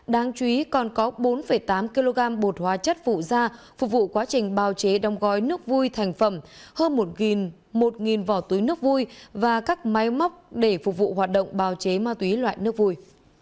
đáng chú ý còn có bốn tám kg bột hóa chất phụ ra phục vụ quá trình bao chế đông gói nước vui thành phẩm hơn một vỏ túi nước vui và các máy móc để phục vụ hoạt động bao chế ma túy loại nước vui